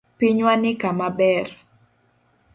Pinywani kama ber.